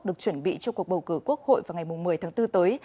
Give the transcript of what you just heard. được chuẩn bị cho cuộc bầu cử quốc hội vào ngày một mươi tháng bốn tới